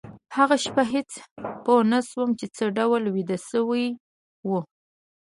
هغه شپه هېڅ پوه نشوم چې څه ډول ویده شوي وو